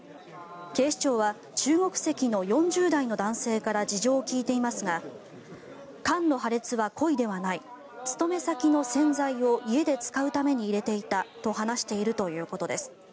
警視庁は中国籍の４０代の男性から事情を聴いていますが缶の破裂は故意ではない勤め先の洗剤を家で使うために入れていたと話しているということです。